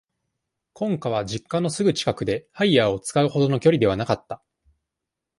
婚家は、実家のすぐ近くで、ハイヤーを使う程の距離ではなかった。